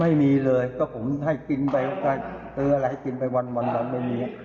ไม่มีเลยก็ผมให้กินไปวันไม่มี